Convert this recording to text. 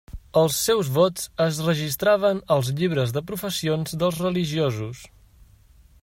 Els seus vots es registraven als llibres de professions dels religiosos.